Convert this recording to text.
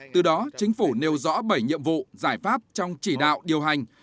từ đó chính phủ nêu rõ bảy nhiệm vụ giải pháp trong chỉ đạo điều hành